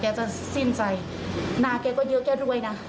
ก็ไม่ใจมังเป็นอยู่ตรงตรง